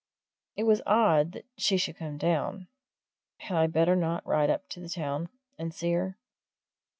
It was odd that she should come down had I better not ride up the town and see her?